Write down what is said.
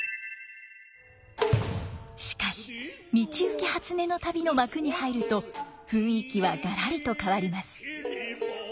しかし「道行初音旅」の幕に入ると雰囲気はガラリと変わります。